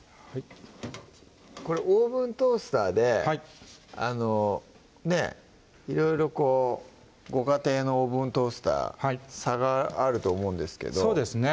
これオーブントースターであのねぇいろいろこうご家庭のオーブントースター差があると思うんですけどそうですね